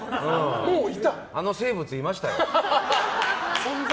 あの生物、いましたよ。